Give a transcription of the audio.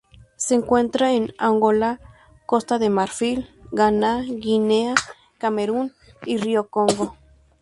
Se encuentra en Angola, Costa de Marfil, Ghana, Guinea, Camerún y río Congo.